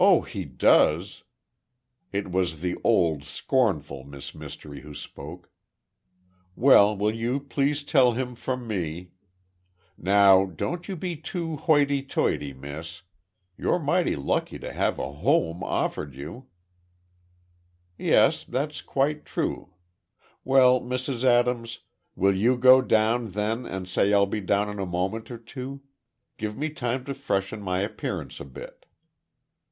"Oh, he does!" It was the old, scornful Miss Mystery who spoke. "Well, will you please tell him from me—" "Now, don't you be too hoity toity, miss! You're mighty lucky to have a home offered you—" "Yes, that's quite true. Well, Mrs. Adams, will you go down, then and say I'll be down in a moment or two. Give me time to freshen my appearance a bit."